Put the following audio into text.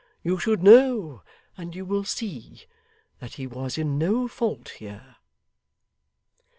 You should know, and you will see, that he was in no fault here.